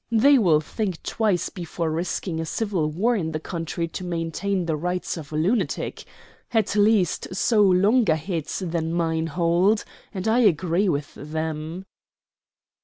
They will think twice before risking a civil war in the country to maintain the rights of a lunatic. At least so longer heads than mine hold, and I agree with them."